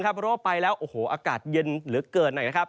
เพราะว่าไปแล้วโอ้โหอากาศเย็นเหลือเกินนะครับ